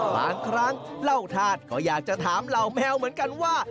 บางครั้งเล่าทาสก็อยากจะถามเหล่าแมวเหมือนกันว่า